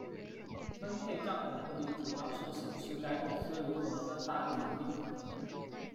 分配帐的目的主要是显示该公司如何分发盈利。